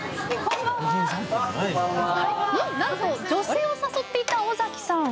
なんと女性を誘っていた尾崎さん！